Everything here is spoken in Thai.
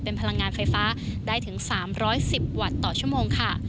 เป็นพลังงานไฟฟ้าได้ถึง๓๑๐วัตต์ต่อชั่วโมงค่ะ